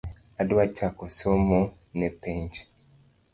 Adwa chako somo ne penj